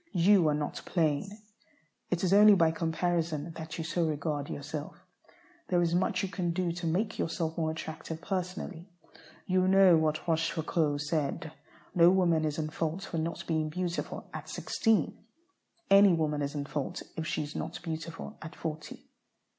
You are not plain. It is only by comparison that you so regard yourself. There is much you can do to make yourself more attractive personally. You know what Rochefoucauld said: "No woman is in fault for not being beautiful at sixteen; any woman is in fault if she is not beautiful at forty."